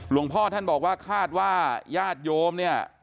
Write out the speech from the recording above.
หลวงพ่อท่านบอกว่าคาดว่าญาติโยมเนี่ย